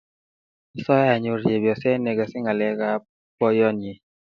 Asae anyoru chepnyoset negase ngalek kab boyonyi